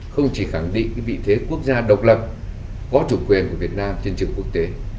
không chỉ khẳng định vị thế quốc gia độc lập có chủ quyền của việt nam trên trường quốc tế